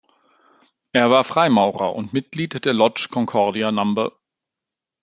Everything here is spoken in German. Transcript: Er war Freimaurer und Mitglied der "Lodge Concordia No.